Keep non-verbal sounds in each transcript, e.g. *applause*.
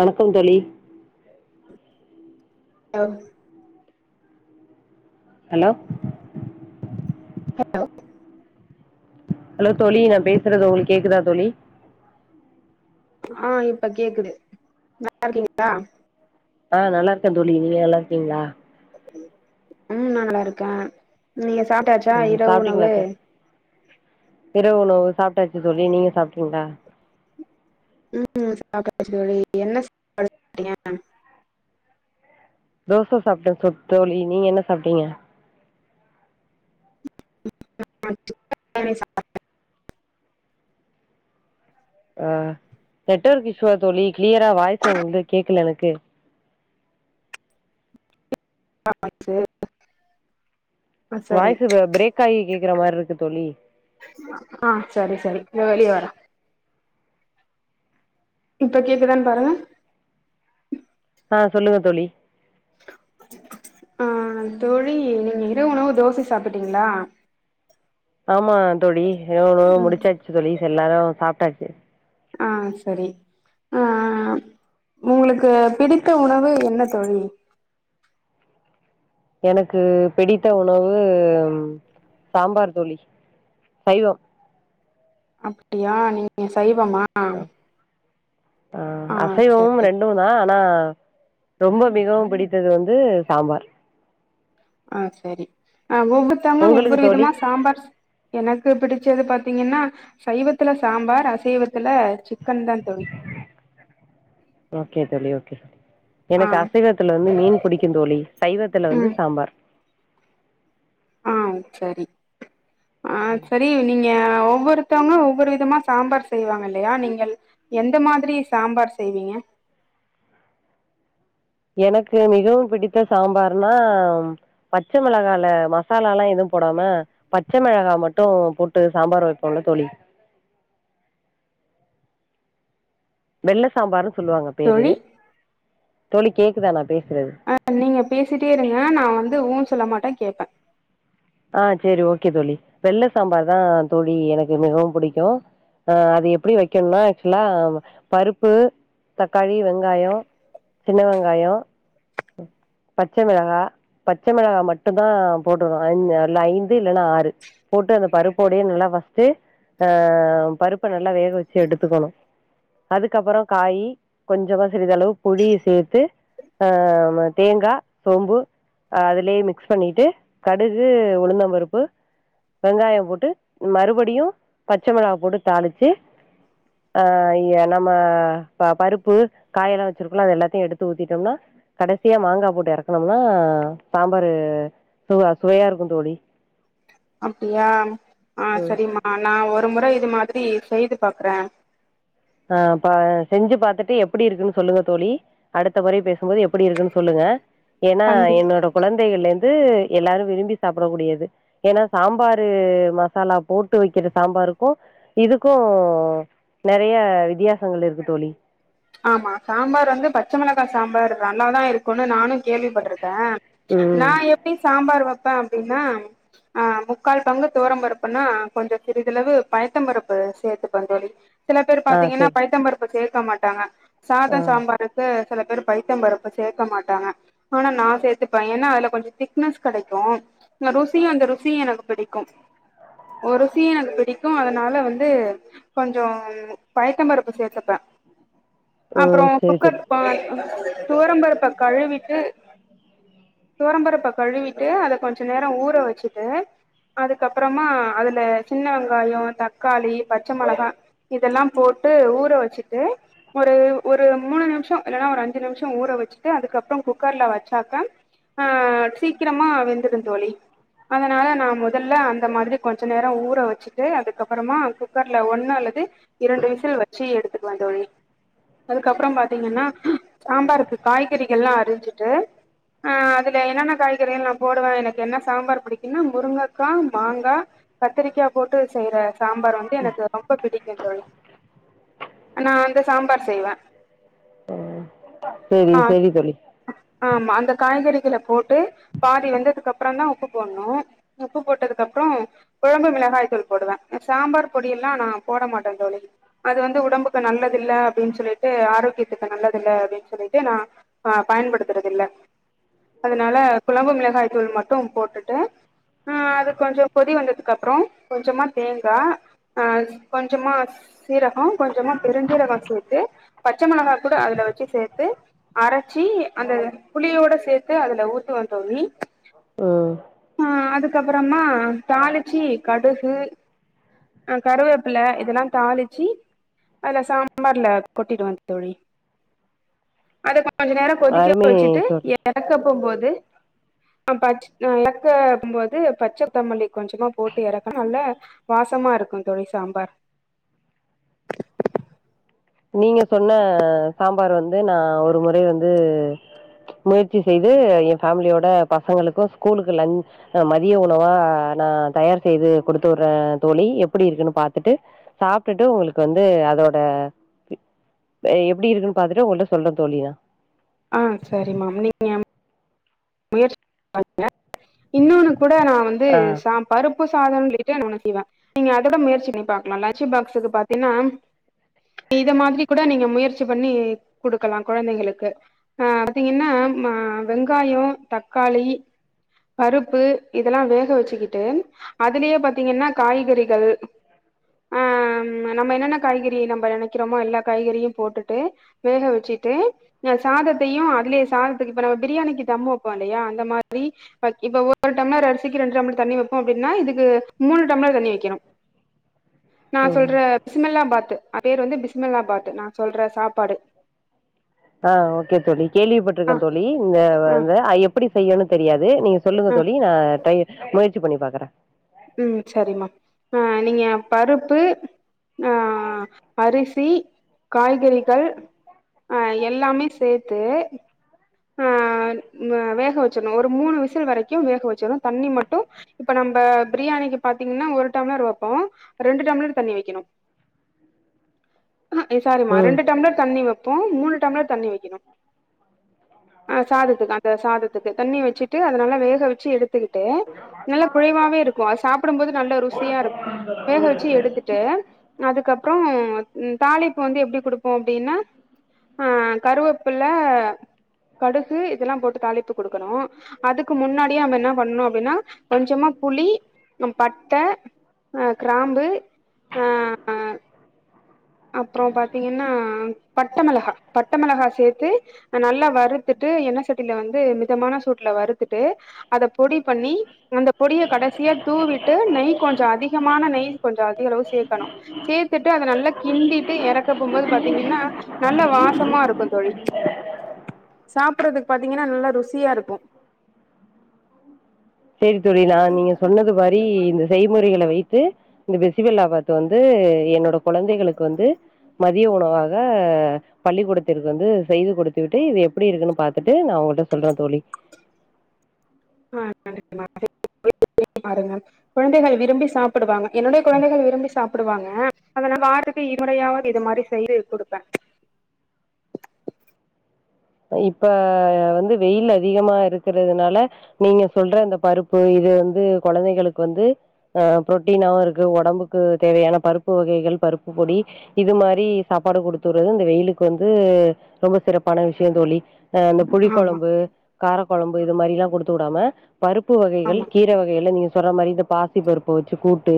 வணக்கம் தோழி. அம். ஹலோ? *inaudible* ஹலோ தோழி நா பேசறது உங்குளுக் கேக்குதா தோழி? ஆ இப்ப கேக்குது. *inaudible* ஆ நல்லார்க்கே தோழி நீங்க நல்லார்க்கிங்ளா? ம் நா நல்லாருக்கே. நீங்க சாப்ட்டாச்சா ம் இரவு சாப்ட்டீங்களா உணவு? தோ இரவு உணவு சாப்ட்டாச்சு தோழி நீங்க சாப்ட்டிங்ளா? *inaudible* தோழி என்ன *inaudible* தோச சாப்ட்டே சொத் தோழி நீங்க என்ன சாப்ட்டிங்க? *inaudible* அ நெட்ஒர்க் இஷ்யூவா தோழி கிளியரா வாய்ஸு உங்குள்து கேக்ல எனக்கு. *inaudible* ஆ, சரி வாய்ஸு வ பிரேக் ஆயி கேக்கற மார்ருக்கு தோழி. அ ஆ சரி சரி இதோ வெளிய வரே. இப்ப கேக்குதான் பாருங்க. ஆ சொல்லுங்க தோழி. ஆ தோழி நீங்க இரவு உணவு தோசை சாப்பிட்டீங்களா? ஆமா தோழி இரவு உணவு ம் முடிச்சாச்சு தோழிஸ் எல்லாரு சாப்ட்டாச்சு. ஆ சரி. அ அ அ உங்குளுக்கு பிடித்த உணவு என்ன தோழி? எனக்கு பிடித்த உணவு ம் சாம்பார் தோழி சைவம். அப்டியா நீங்க சைவமா? ஆ ஆ அசைவமு ரெண்டு நா ஆனா ரொம்போ மிகவும் பிடித்தது வந்து சாம்பார் ஆ செரி ஆ ஒவ்வொருத்தவங்க உங்களுக்கு ஒவ்வொரு தோழி விதமா சாம்பார் எனக்கு பிடிச்சது பாத்தீங்கன்னா சைவத்துல சாம்பார் அசைவத்துல சிக்கன் தான் தோழி ஓக்கே தோழி ஓக்கே ஆ எனக்கு அசைவத்தில வந்து மீன் பிடிக்கு தோழி சைவத்தில வந்து ம் சாம்பார் ஆ சரி ஆ சரி நீங்க ஆ ஒவ்வொருத்தவங்க ஒவ்வொரு விதமா சாம்பார் செய்வாங்க இல்லையா நீங்க எந்த மாதிரி சாம்பார் செய்வீங்க எனக்கு மிகவு பிடித்த சாம்பார்னா பச்ச மிளகால மசால எல்லா எதுவு போடாம பச்ச மிளகாய் மட்டு போட்டு சாம்பார் வைப்போல தோழி வெள்ள சாம்பருன்னு சொல்லுவாங்க பேரு தோழி தோழி கேக்குதா நா பேசுறது ஆ நீங்க பேசிட்டே இருங்க நா வந்து ஊ சொல்ல மாட்டே கேட்பே ஆ செரி ஓக்கே தோழி வெள்ள சாம்பார் தா தோழி எனக்கு மிகவு பிடிக்கு ஆ அது எப்படி வைக்கணுனா ஆக்சுவலா பருப்பு தக்காளி வெங்காயோ சின்ன வெங்காயோ பச்ச மெளகா பச்ச மெளகா மட்டு தா போடனு ஐந்து அல்ல ஐந்து இல்லன்னா ஆறு போட்டு அந்த பருப்போடயே நல்லா ஃபர்ஸ்ட்டு ஆ பருப்ப நல்லா வேக வெச்சு எடுத்துக்கணு அதுக்கப்புறோ காயி கொஞ்சமா சிறிதளவு பொடி சேத்து ஆ தேங்கா சோம்பு அதுலேயே மிக்ஸ் பண்ணிட்டு கடுகு உளுந்தம்பருப்பு வெங்காயோ போட்டு மறுபடியு பச்ச மெளகா போட்டு தாளிச்சு ஆ ய நம்மா பருப்பு காயெல்லா வச்சிருக்கோல அது எல்லத்தையு எடுத்து ஊத்திட்டோம்னா கடைசியா மாங்கா போட்டு எறக்கனம்னா சாம்பரு சுவா சுவையா இருக்கு தோழி அப்படியா ஆ சரிம்மா நா ஒரு முற இது மாதிரி செய்து பாக்குறே ஆ பா செஞ்சு பாத்துட்டு எப்படி இருக்குன்னு சொல்லுங்க தோழி அடுத்த முறை பேசும்போது எப்படி இருக்குன்னு சொல்லுங்க ஏன்னா கண்டி என்னோட குழந்தைகள்ல இருந்து எல்லாரு விரும்பி சாப்பிடக்கூடியது ஏன்னா சாம்பாரு மசாலா போட்டு வைக்கிற சாம்பாருக்கு இதுக்கு நெறையா வித்தியாசங்கள் இருக்கு தோழி ஆமா சாம்பார் வந்து பச்ச மிளகா சாம்பார் நல்லாதா இருக்கு *unintelligible* நானு கேள்விப்பட்டிருக்கே ம் நா எப்டி சாம்பார் வைப்பே அப்டின்னா ஆ முக்கால் பங்கு துவரம்பருப்புன்னா கொஞ்சு சிறிதளவு பயத்தம் பருப்பு சேத்துபே தோழி சில பேர் ஆ பாத்தீங்கன்னா செரி பைத்தம்பருப்பு சேர்க்க மாட்டாங்க ஆ சாத சாம்பார் வந்து சில பேர் பைத்த பருப்பு சேக்க மாட்டாங்க ஆனா நா சேத்துப்பே ஏன்னா அதுல கொஞ்சு திக்னஸ் கெடைக்கு ருசியு அந்த ருசியு எனக்கு பிடிக்கு ஒ ருசியு எனக்கு பிடிக்கு அதனால வந்து கொஞ்சு பயித்தபருப்பு சேத்துப்பே அப்றோ ம் செரி தோழி குக்கர்ப்ப துவரம்பருப்ப கழுவிட்டு துவரம்பருப்ப கழுவிட்டு அத கொஞ்ச நேரோ ஊற வச்சுட்டு அதுக்கப்புறமா அதுல சின்ன வெங்காயோ தக்காளி பச்ச மிளகா இதெல்லா போட்டு ஊற வச்சுட்டு ஒரு ஒரு மூணு நிமிஷோ இல்லன்னா ஒரு அஞ்சு நிமிஷோ ஊற வச்சுட்டு அதுக்கப்றோ குக்கர்ல வச்சாக்க ஆ சீக்கிரமா வெந்துருந்தோழி அதனால நா முதல்ல அந்த மாதிரி கொஞ்ச நேர ஊற வச்சுட்டு அதுக்கப்புறமா குக்கர்ல ஒண்ணு அல்லது இரண்டு விசில் வச்சு எடுத்துக்குவே தோழி அதுக்கப்பறம் பாத்தீங்கன்னா சாம்பாருக்கு காய்கறிகள்ளா அரிஞ்சுட்டு ஆ அதுல என்னென்ன காய்கறிக நா போடுவே எனக்கு என்ன சாம்பார் பிடிக்குன்னா முருங்கக்கா மாங்கா கத்திரிக்கா போட்டு செய்ற சாம்பார் வந்து எனக்கு ரொம்ப பிடிக்கு தோழி நா அந்த சாம்பார் செய்வே சேரி ஆ செரி தோழி ஆமா அந்த காய்கறிகள போட்டு பாதி வெந்ததுக்கு அப்றோ தா உப்பு போணு உப்பு போட்டதுக்கு அப்றோ குழம்பு மிளகாய் தூள் போடுவே சாம்பார் பொடியெல்லா நா போட மாட்டே தோழி அது வந்து உடம்புக்கு நல்லதி ல்ல அப்டின்னு சொல்லிட்டு ஆரோக்கியத்துக்கு நல்லதில்ல அப்டின்னு சொல்லிட்டு நா அ பயன்படுத்துறதி ல்ல அதனால குழம்பு மிளகாய் தூள் மட்டும் போட்டுட்டு ஆ அது கொஞ்சோ கொதி வந்ததுக்கு அப்றோ கொஞ்சமா தேங்கா ஆ கொஞ்சமா சீரகோ கொஞ்சமா பெருஞ் சீரகோ சேத்து பச்சமிளகா கூட அதுல வச்சு சேத்து அரச்சி அந்த புளியோட சேத்து அதுல ஊத்துவந்தோழி ம் ஆ அதுக்கப்பறமா தாளிச்சி கடுகு அ கருவேப்ல இதெல்லா தாளிச்சு அதுல சாம்பார்ல கொட்டிடுவே தோழி அது கொஞ்ச நேரம் கொதிக்க அருமை வச்சுட்டு தோழி இறக்க போம்போது ஆ பச் நல்லா கம் போது பச்ச தமல்லி கொஞ்சமா போட்டு இறக்குனா நல்லா வாசமா இருக்கு தோழி சாம்பார் நீங்க சொன்ன சாம்பார் வந்து நா ஒரு முறை வந்து முயற்சி செய்து ஏ பேமிலியோட பசங்களுக்கு ஸ்கூலுக்கு லஞ்ச் மதிய உணவா நா தயார் செய்து குடுத்து வுட்றே தோழி எப்டி இருக்குன்னு பாத்துட்டு சாப்டுட்டு உங்களுக்கு வந்து அதோட எப்டி இருக்குன்னு பாத்துட்டு உங்ககிட்ட சொல்றே தோழி நா ஆ சரி மா மு நீங்க முயற்சி பண்ணுங்க இன்னொன்னு கூட நா வந்து ஆ சாம் பருப்பு சாதம்னு சொல்லிட்டு நா ஒண்ணு செய்வே நீங்க அதோட முயற்சி பண்ணி பாக்கலாம் லஞ்சு பாக்ஸுக்கு பாத்தீங்கன்னா இத மாதிரி கூட நீங்க முயற்சி பண்ணி குடுக்கலா கொழந்தைங்களுக்கு ஆ பாத்தீங்கன்னா ம வெங்காயோ தக்காளி பருப்பு இதெல்லா வேக வச்சுக்கிட்டு அதிலயே பாத்தீங்கன்னா காய்கறிகள் ஆ நம்ம என்னென்ன காய்கறி நம்ப நெனக்கிறோமோ எல்லா காய்கறியு போட்டுட்டு வேக வச்சுட்டு் நீ எல் சாதத்தையு அதுலயே சாதத்துக்கு இப்ப நம்ம பிரியாணிக்கு தம் வப் போயி‌ல்லையா அந்த மாதிரி இப்ப ஒரு டம்ளர் அரிசிக்கு ரெண்டு டம்ளர் தண்ணி வெப்போ அப்டின்னா இதுக்கு மூணு டம்ளர் தண்ணி வெக்கணு நா ம் சொல்ற பிசுமல்லா பாத் அது பேர் வந்து பிசுமல்லா பாத் நா சொல்ற சாப்பாடு ஆ ஓகே தோழி ஆ கேள்விப்பட்டிருக்கேன் தோழி இந்த வ ஆ வத ஐயப்ப எப்டி செய்யணு‌ தெரியாது நீங்க சொல்லுங்க ஆ தோழி ‌நா டை முயற்சி பண்ணி பாக்குறே ம் சரிம்மா ஆ நீங்க பருப்பு ஆ அரிசி, காய்கறி கள் அ எல்லாமே சேத்து ஆ ந வேஹ வச்சர்ணு ஒரு மூணு விசில் வரைக்கு வேஹ வெச்சிர்ணு தண்ணி மட்டு இப்ப நம்ப ப்ரியாணிக்கு பாத்தீங்னா ஒரு டம்ளர் வெப்போ ரெண்டு டம்ளர் தண்ணி வெக்கிணு ஏ சாரிம்மா ம் ரெண்டு டம்ளர் தண்ணி வெப்போ மூணு டம்ளர் தண்ணி வெக்கிணு ஆ சாதத்துக்கு அந்த சாதத்துக்கு தண்ணி வெச்சிட்டு அத நல்லா வேஹ வெச்சு எடுத் துக்கிட்டு நல்லா குழைவாவே இருக்கு அத சாப்புடும் போது நல்ல ருசியா இருக்கு வேக வெச்சி எடுத்துட் டு அதுக்கப்றோ ம் தாளிப் வந்து எப்டி குடுப்போ அப்டினா ஆ கருவேப்பில்ல கடுஹு இதெல்லா போட்டு தாளிப்பு குடுக்கணு அதுக்கு முன்னாடியே நம்ம என்ன பண்ணு அப்டின்னா கொஞ்சமா புளி கம் பட்ட, அ க்ராம்பு ஆ அப்றோ பாத்தீங்கன்னா பட்ட மிளஹா பட்ட மிளகா சேத்து நல்லா வறுத்துட்டு எண்ண சட்டில வந்து மிதமான சூட்ல வறுத்துட்டு அத பொடி பண்ணி அந்த பொடிய கடசியா தூவிட்டு நெய் கொஞ்சோ அதிகமான நெய் கொஞ்ச அதிகளவு சேக்கணு சேத்துட்டு அத நல்லா கிண்டீட்டு எறக்க போம்போது பாத்தீங்கன்னா நல்ல வாசமா இருக்கு தோழி சாப்பட்றதுக் பாத்தீங்கன்னா நல்லா ருசியா இருக்கு சேரி தோழி நா நீங்க சொன்னது மாரி இந்த செய்முறைகள வைத்து இந்த பெசிபெல்லா பாத் வந்து என்னோட கொழந்தைகளுக் வந்து மதிய உணவாக பள்ளிக்கூடத்திற்கு வந்து செய்து கொடுத்து விட்டு இது எப்பிடி இருக்குன்னு பாத்தட்டு நா உங்கள்ட்ட சொல்றே தோழி ஆ *inaudible* பாருங்க குழந்தைகள் விரும்பி சாப்புடுவாங்க என்னுடைய குழந்தைகள் விரும்பி சாப்புடுவாங்க அதனால் வாரத்துக்கு இரு முறையாவது இது மாரி செய்து குடுப்பே இப்ப வந்து வெயில் அதிகமா இருக்கறதுனால நீங்க சொல்ற அந்த பருப்பு இது வந்து கொழந்தைகளுக் வந்து அ ப்ரோட்டீனாவு இருக்கு ஒடம்புக்கு தேவையான பருப்பு வகைகள் பருப்பு பொடி இது மாரி சாப்பாடு குடுத்துட்றது இந்த வெயிலுக்கு வந்து ரொம்ப சிறப்பான விஷ் யோ தோழி அ இந்த புளி ஆமா கொழம்பு, கார கொழம்பு இது மாரில்லா குடுத்துவுடாம பருப்பு வகைகள், ஆமா கீர வகைகள்ல நீங்க சொல்ற மாரி இந்த பாசி பருப்ப வச்சு கூட்டு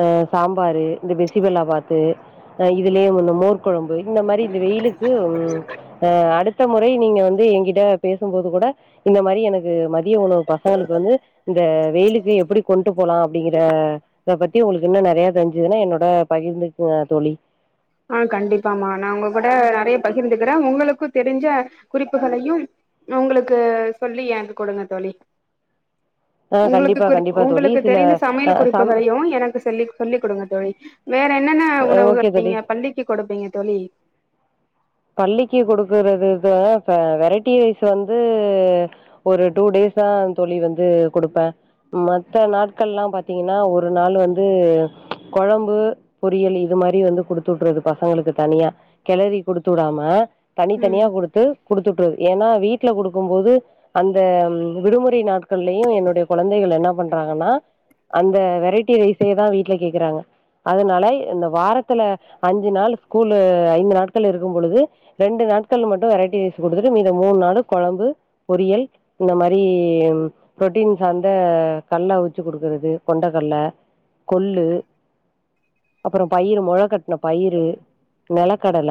அ சாம்பாரு இந்த பெசி பெல்லா பாத்து் அ இதுலே ஒன்னு மோர் கொழம்பு இந்த மாரி வெயிலுக்கு அ அடுத்த முறை நீங்க வந்து எங்கிட்ட பேசும்போது கூட இந்த மாரி எனக்கு மதிய உணவு பசங்களுக்கு வந்து இந்த வெயிலுக்கு எப்பிடி கொண்ட்டு போலா அப்டிங்கிற இத பத்தி உங்ளுக் இன்னு நெறைய தெரிஞ் சிதுனா என்னோட பகிர்ந்துக்குங்க தோழி ஆ கண்டிப்பாமா நா உங்க கூட நறையா பகிர்ந்துக்கிறே உங்களுக்கு தெரிஞ்ச குறிப்புகளையும் நா உங்களுக்கு சொல்லி என்க்கு குடுங்க தோழி ஆ உங்களுக்கு கண்டிப்பா குறி கண்டிப்பா தோழி உங்களுக்கு சில தெரிந்த அ சமையல் சம் குறிப்புகளையு எனக்கு சொல்லி சொல்லி் குடுங்க தோழி வேற என்னென்ன உணவுகள் ஓகே தோழி நீங்க பள்ளிக்கு கொடுப்பீங்க தோழி பள்ளிக்கு குடுக்கறது தோ இப்ப வெரைட்டி ரைஸ் வந்து ஒரு டூ டேஸ் தா தோழி வந்து குடுப்பே மத்த நாட்கள்லா பாத்தீங்கன்னா ஒரு நாள் வந்து கொழம்பு பொரியல் இது மாரி வந்து குடுத்துவுட்றது பசங்களுக்கு தனியா கெளறி குடுத்து வுடாம தனித்தனியா ம் குடுத்து குடுத்துட்றது ஏனா வீட்ல குடுக்கும்போது அந்த விடுமுறை நாட்கள்லயு என்னுடைய கொழந்தைகள் என்ன பண்றாங்கன்னா அந்த வெரைட்டி ரைசே தா வீட்ல கேக்குறாங்க அதனால இந்த வாரத்துல அஞ்சு நாள் ஸ்கூல் ஐந்து நாட் கள் இருக்கும் பொழுது ரெண்டு நாட்கள் மட்டு வெரைட்டி ரைஸ் குடுத்துட்டு மீதம் மூண் நாளு கொழம்பு பொரியல் இந்த மாரி புரோட்டீன் சார்ந்த கல்ல அவிச்சு குடுக்குறது கொண்ட கல்ல கொள்ளு அப்றோ பயிறு மொள கட்டின பயிறு நிலக்கடல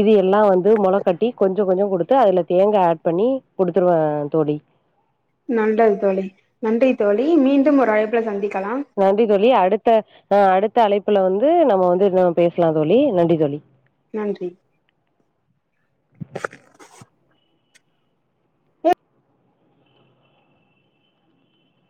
இது எல்லா வந்து மொள கட்டி கொஞ்சோ கொஞ்சோ குடுத்து அதுல தேங்கா ஆட் பண்ணி குடுத்துருவே தோழி நல்லது தோழி நன்றி தோழி மீண்டும் ஒரு அழைப்புல சந்திக்கலாம் நன்றி தோழி அடுத்த ஆ அடுத்த அழைப்புல வந்து நம்ம வந்து பேசலா தோழி நன்றி தோழி நன்றி